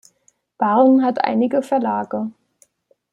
Baarn hat einige Verlage.